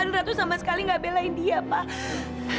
dan ratu sama sekali gak belain dia pak